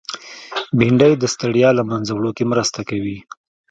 بېنډۍ د ستړیا له منځه وړو کې مرسته کوي